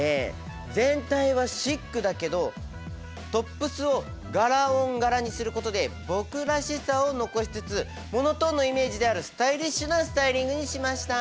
全体はシックだけどトップスを柄ｏｎ柄にすることで僕らしさを残しつつモノトーンのイメージであるスタイリッシュなスタイリングにしました。